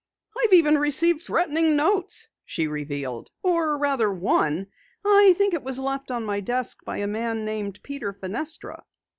"I've even received threatening notes," she revealed. "Or rather, one. I think it was left on my desk by a man named Peter Fenestra."